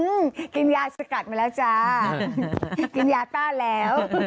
กินยาสกัดมาแล้วจ้ากินยาต้าแล้ว